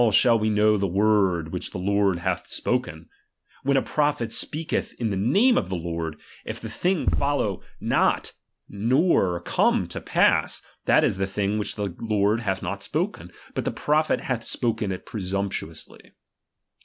^hall we know the word which the Lord hath not ■spoken ? When a prophet speaheth i?i the name ^_ ^f the Lord, if the thing follow not nor come to ^^|•^ ass, that is the thing which the Lord hath not ^^| spoken ; hut the prophet hath spoken it presump ^^^ ^uously.